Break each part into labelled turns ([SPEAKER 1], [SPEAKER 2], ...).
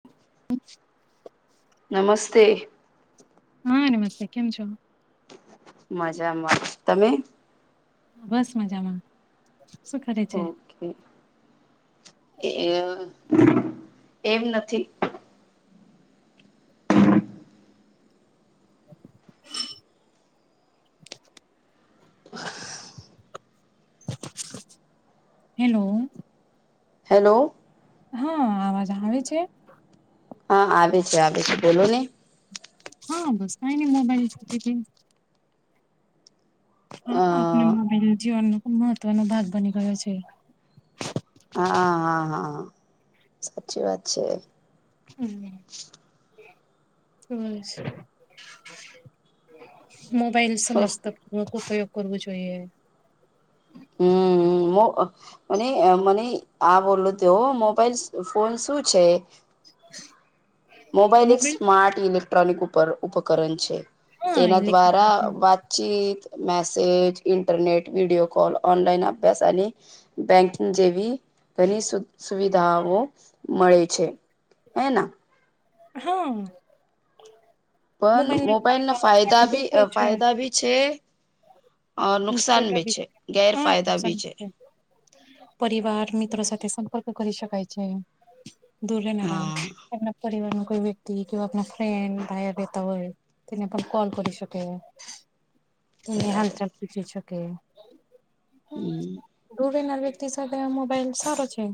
[SPEAKER 1] [unintelligible]
[SPEAKER 2] નમસ્તે.
[SPEAKER 1] હા, નમસ્તે કેમ છો?
[SPEAKER 2] મજામાં, તમે?
[SPEAKER 1] બસ મજામાં. શું કરે છે?
[SPEAKER 2] ઓકે એમ નથી.
[SPEAKER 1] [inaudible] [inaudible] હેલો.
[SPEAKER 2] હેલો.
[SPEAKER 1] હા, આવાજ આવે છે?
[SPEAKER 2] હા, આવે છે આવે છે બોલોને.
[SPEAKER 1] હા, બસ ના ન મોબાઈલ હા,
[SPEAKER 2] અ
[SPEAKER 1] આપણે જીવનનો ખુબ મહત્વનો ભાગ બની ગયો છે.
[SPEAKER 2] હા હા હા હા. સાચી વાત છે.
[SPEAKER 1] હમ. [unintelligible] મોબાઈલસ મસ્ત. [unintelligible] ઉપયોગ કરવું જોઈએ.
[SPEAKER 2] હમ હમ [unintelligible] મને મને આ બોલું ત મોબાઈલ ફોન શું છે. મોબાઈલ એક સ્માર્ટ ઇલેક્ટ્રોનિક ઉપર ઉપકરણ છે.
[SPEAKER 1] હા
[SPEAKER 2] તેના
[SPEAKER 1] ઇલેક્ટ્રિક
[SPEAKER 2] દ્વારા વાતચીત, message, internet video call. Online અભ્યાસ અને બેંકિંગ જેવી ઘણી સુ સુવિધાઓ મળે છે હેના.
[SPEAKER 1] હામ.
[SPEAKER 2] પણ
[SPEAKER 1] મોબાઈલના
[SPEAKER 2] મોબાઈલ ના બી
[SPEAKER 1] ફાયદા
[SPEAKER 2] ફાયદા બી છે નુકસાન બી છે ગેરફાયદા
[SPEAKER 1] [unintelligible] છે.
[SPEAKER 2] બી
[SPEAKER 1] [unintelligible] પરિવાર, મિત્રો સાથે સંપર્ક કરી શકાય છે દૂરે
[SPEAKER 2] હા
[SPEAKER 1] તેમણા પરિવારમાં કોઈ વ્યક્તિ ફ્રેન્ડ, ભાઈ રહેતા હોય. તેને પણ કોલ કરી શકે.
[SPEAKER 2] બરાબર
[SPEAKER 1] હાલચાલ પૂછી શકે.
[SPEAKER 2] હમ
[SPEAKER 1] વ્યક્તિ સાથે મોબાઈલ સારો છે.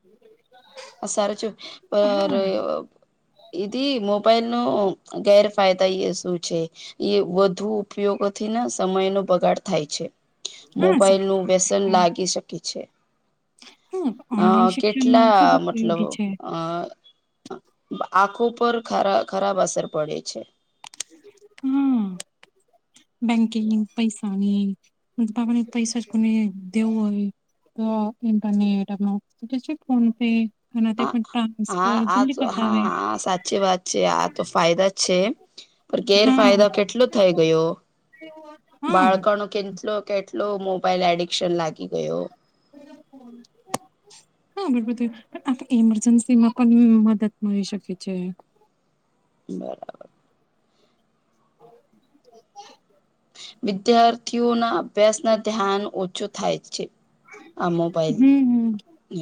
[SPEAKER 1] [inaudible]
[SPEAKER 2] આ સારચુ
[SPEAKER 1] હા
[SPEAKER 2] [unintelligible] દીદી મોબાઈલનો ગેરફાયદો ઈ શું છે? એ વધુ ઉપયોગથી ને સમયનો બગાડ થાય છે.
[SPEAKER 1] હા
[SPEAKER 2] મોબાાઈલનું વ્યસન લાગી શકે છે.
[SPEAKER 1] હ ઓનલાઈન શિક્ષણમાં ખુબ ઉપયોગી છે.
[SPEAKER 2] આ. આંખો પર ખરા ખરાબ અસર પડે છે.
[SPEAKER 1] હા
[SPEAKER 2] [inaudible]
[SPEAKER 1] બેંકિંગ પૈસાની. બાપને પૈસા જ કોને દેવું હોય. તો ઇન્ટરનેટ આપ છે ફોન પે. અને તે પણ
[SPEAKER 2] હ હા
[SPEAKER 1] ટ્રાન્સફર
[SPEAKER 2] આ
[SPEAKER 1] જલ્દી
[SPEAKER 2] તો
[SPEAKER 1] કરતા આવે
[SPEAKER 2] હા હા સાચી વાત છે આ તો ફાયદા છે. પણ
[SPEAKER 1] હા
[SPEAKER 2] ગેરફાયદો કેટલો થઈ ગયો
[SPEAKER 1] હા
[SPEAKER 2] બાળકનો કેટલો. કેટલો મોબાઈલ એડિક્શન લાગી ગયો.
[SPEAKER 1] હા બરોબર થ પણ આપ ઇમરજન્સીમાં પણ મદદ મળી શકે છે.
[SPEAKER 2] બરાબર.
[SPEAKER 1] [inaudible]
[SPEAKER 2] વિદ્યાર્થીઓના અભ્યાસ ના ધ્યાન ઓછો થાય છે. આ મોબાઈલ હ.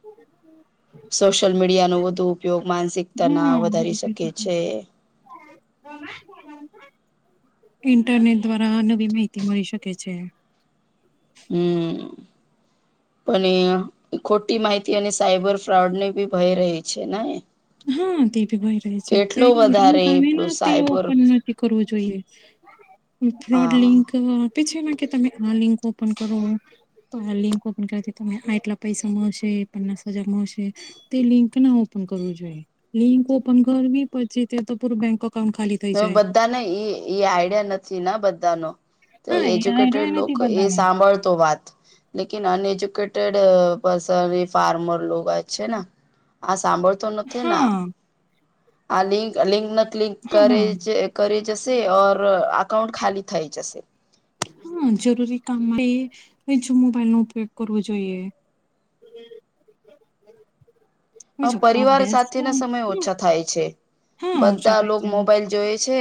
[SPEAKER 1] હ [unintelligible]
[SPEAKER 2] સોશિયલ મીડિયા નો વધુ ઉપયોગ માનસિકતા ના વધારી શકે છે.
[SPEAKER 1] બ [unintelligible] ઇન્ટરનેટ દ્વારા નવી માહિતી મળી શકે છે.
[SPEAKER 2] હમ. પણ ખોટી માહિતી અને સાયબર ફ્રોડ ને બી ભય રહી છે ને.
[SPEAKER 1] હા તે ભી ભય રહે છે તે
[SPEAKER 2] કેટલો વધારે
[SPEAKER 1] રિા
[SPEAKER 2] પેલું
[SPEAKER 1] તે
[SPEAKER 2] સાયબર
[SPEAKER 1] ઓપન નથી કરવું જોઈએ. ફ્રોડ લિંક
[SPEAKER 2] હા
[SPEAKER 1] આપે છે કે તમે આ લિંક ઓપન કરો. તો આ લિંક ઓપન કરથી ત આ એટલા પૈસા મળશે પન્નાસ હજાર મળશે. તે લિંક ના ઓપન કરવું જોઈએ લિંક ઓપન કરવી પછી તે તો પૂરું બેંક અકાઉન્ટ ખાલી. થઈ જાય.
[SPEAKER 2] બધાને એ આઈડિયા નથી બધાનો. તો
[SPEAKER 1] હા એ
[SPEAKER 2] એજ્યુકેટેડ
[SPEAKER 1] આઈડિયા
[SPEAKER 2] લો
[SPEAKER 1] નથી
[SPEAKER 2] એ
[SPEAKER 1] બધાને
[SPEAKER 2] સાંભળતો વાત. લકન અન એજુકેટેડ પર્સન ફાર્મર છે ને આ સાંભળ. નથી
[SPEAKER 1] હા
[SPEAKER 2] આ લં લિંકિંક
[SPEAKER 1] હા
[SPEAKER 2] કરે છે. કરે જશે ઓર અકાઉન્ટ ખાલી થઈ જશે.
[SPEAKER 1] હ જરૂરી કામ એ મોબાઈલ નો ઉપયોગ કરવો જોઈએ.
[SPEAKER 2] આ
[SPEAKER 1] બીજું
[SPEAKER 2] પરિવાર
[SPEAKER 1] અભ્યાસ
[SPEAKER 2] સાથે ના સમય ઓછા થાય છે.
[SPEAKER 1] હા ઓછો
[SPEAKER 2] બધા
[SPEAKER 1] થાય
[SPEAKER 2] લો
[SPEAKER 1] છે
[SPEAKER 2] મોબાઈલ જોય છે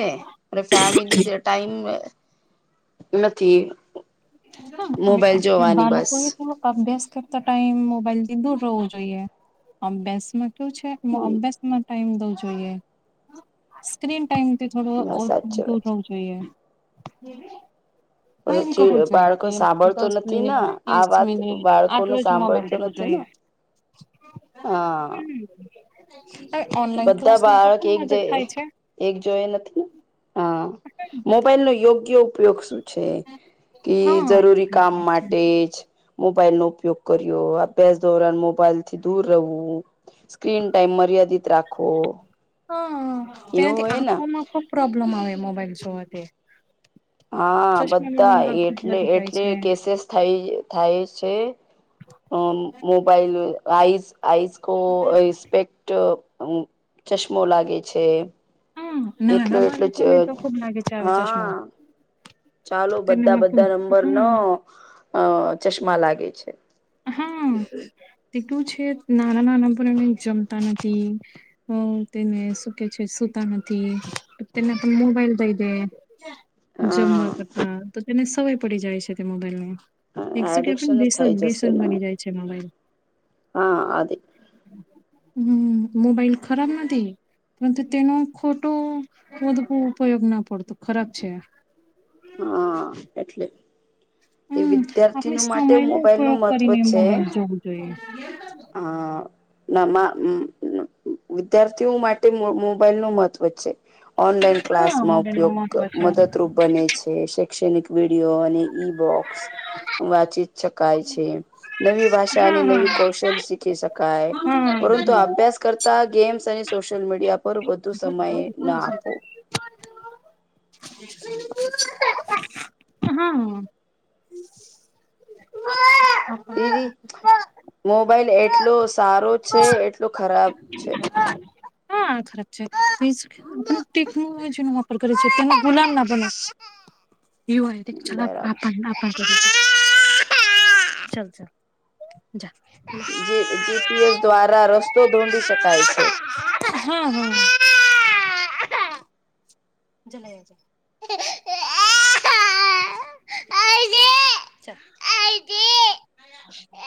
[SPEAKER 2] અને ફેમિલી. ટાઈમ નથી. મોબાઈલ
[SPEAKER 1] હ
[SPEAKER 2] જોવાની
[SPEAKER 1] બાલાપ
[SPEAKER 2] બસ
[SPEAKER 1] થ કપભ્યાસ થ. તો ટાઈમ મોબાઈલ થી દૂર રવું જોઈએ અભ્યાસમાં કયુ છે અભ્યાસમાં. ટાઈમ દવું જોઈએ સ્ક્રીન ટાઈમથી થોડો
[SPEAKER 2] ના સાચી વાત
[SPEAKER 1] દૂરવું જોઈએ. જો હા
[SPEAKER 2] છે.
[SPEAKER 1] એમ કું.
[SPEAKER 2] પછી બાળકો સાંભળતો નથી આ વાત
[SPEAKER 1] મિનિટ
[SPEAKER 2] બાળકો
[SPEAKER 1] આટલો
[SPEAKER 2] ન
[SPEAKER 1] જ મોબાઈલ
[SPEAKER 2] સાંભળતો
[SPEAKER 1] દેખવો
[SPEAKER 2] નથી.
[SPEAKER 1] જોઈએ.
[SPEAKER 2] હા.
[SPEAKER 1] તો. ઓનલાઈન
[SPEAKER 2] બધા
[SPEAKER 1] ક્લાસમાં
[SPEAKER 2] બાળક
[SPEAKER 1] પણ
[SPEAKER 2] એક
[SPEAKER 1] મદદ
[SPEAKER 2] જે
[SPEAKER 1] થાય છે
[SPEAKER 2] એક જોઈ નથી ને હા.
[SPEAKER 1] હ.
[SPEAKER 2] મોબાઈલ નો યોગ્ય ઉપયોગ શું છે કે જરૂરી કામ
[SPEAKER 1] હા.
[SPEAKER 2] માટે જ. મોબાઈલ નો ઉપયોગ કર્યો અભ્યાસ દોરન મોબાઈલ થી દૂર રહેવું. સ્ક્રીન ટાઈમ મર્યાદિત રાખો.
[SPEAKER 1] હા ત્યાનાથી આંખોમાં ખુબ પ્રોબ્લેમ આવે મોબાઈલ જોવા તે.
[SPEAKER 2] હા બધા એટલે
[SPEAKER 1] જાય છે
[SPEAKER 2] એટલી કેસીસ થાય. થાય છે મોબાઈલ આઈઝ આઈઝ. કો સ્પેક્ટ ચશ્મો લાગે છે.
[SPEAKER 1] હમ
[SPEAKER 2] એટલો
[SPEAKER 1] નાના
[SPEAKER 2] એટલો ચ
[SPEAKER 1] બાળકો ને તો ખુબ લાગે છે આવે
[SPEAKER 2] હા
[SPEAKER 1] ચશ્માઓ
[SPEAKER 2] ચાલો બધા બધા નંબર ન
[SPEAKER 1] હમ
[SPEAKER 2] અ ચશ્મા લાગે છે.
[SPEAKER 1] હા તેટલું છે નાનાં નાના પણ એને જમતા નથી. હ તેને શું કે છે સુતા નથી તેને તો મોબાઈલ દઈ દે જમવા
[SPEAKER 2] હા
[SPEAKER 1] કરતા તો તેને સવાય પડી જાય છે તે મોબાઈલ ને એકસ
[SPEAKER 2] એડિક્શન
[SPEAKER 1] કેેને
[SPEAKER 2] જ
[SPEAKER 1] બેસન
[SPEAKER 2] થઈ જશે
[SPEAKER 1] બેસન
[SPEAKER 2] ને
[SPEAKER 1] બની જાય છે માબાઈલ
[SPEAKER 2] હા [inaudible]
[SPEAKER 1] હમ્મ મોબાઈલ ખરાબ નથી, પરંતુ તેનો ખોટું બુધુ ઉપયોગ ના પડતો ખરાબ છે.
[SPEAKER 2] હા એટલે એ
[SPEAKER 1] હમ
[SPEAKER 2] વિદ્યાર્થી
[SPEAKER 1] આપણે
[SPEAKER 2] ન માટે મોબાઈલ નું મહત્વ છે.
[SPEAKER 1] જોઇઅ,
[SPEAKER 2] હા નામાં [inaudible] વિદ્યાર્થીઓ માટે મોબાઈલ નું મહત્વ છે. ઓનલાઈન
[SPEAKER 1] હા
[SPEAKER 2] ક્લાસમાં
[SPEAKER 1] મોબાઈલ નું
[SPEAKER 2] ઉપયોગ
[SPEAKER 1] મહત્વ છે
[SPEAKER 2] મદદરૂપ બને છે, શૈક્ષણિક વિડીયો અને ઈ બોક્સ વાંચી શકાય છે, નવી ભાષા
[SPEAKER 1] હા
[SPEAKER 2] અને
[SPEAKER 1] હા
[SPEAKER 2] નવી કૌશ શલ શીખી શકાય,
[SPEAKER 1] હા હા
[SPEAKER 2] પરંતુ અભ્યાસ કરતા ગેમ્સ અને સશક્ત મીડિયા પર વધુ સમય ના આપો.
[SPEAKER 1] [unintelligible] હા [unintelligible]
[SPEAKER 2] દીદી, મોબાઈલ એટલો સારો છે એટલો ખરાબ છે.
[SPEAKER 1] હા હા હા ખરાબ છે શી [unintelligible] વાપર કરી છે તેને ગુલામ ના બને એવું એ ચાલ આપ
[SPEAKER 2] બરાબર
[SPEAKER 1] આપણે ચાલ ચાલ જા,
[SPEAKER 2] જી જીપીએસ દ્વારા રસ્તો ધોન્ડી શકાય છે.
[SPEAKER 1] હા હા [unintelligible] [unintelligible]